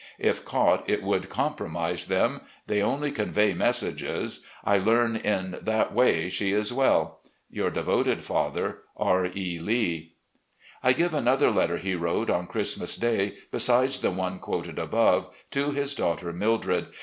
If caught, it would com promise them. They only convey messages. I learn in that way she is well. " Your devoted father, "R. E. Lee." I give another letter he wrote on Christmas Day, besides the one quoted above, to his daughter, Mildred.